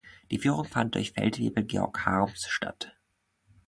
Die Führung fand durch Feldwebel Georg Harms statt.